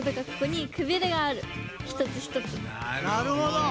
なるほど。